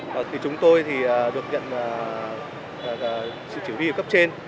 thì chúng tôi thì được nhận sự chỉ huy cấp trên